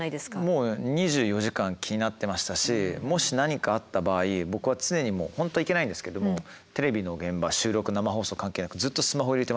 もう２４時間気になってましたしもし何かあった場合僕は常に本当はいけないんですけどもテレビの現場収録生放送関係なくずっとスマホ入れてました。